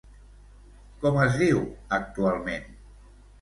Com es diu actualment?